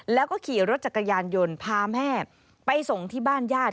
แล้วก็ขี่รถจักรยานยนต์พาแม่ไปส่งที่บ้านญาติ